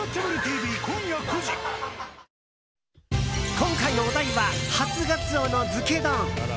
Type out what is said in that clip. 今回のお題は初ガツオの漬け丼。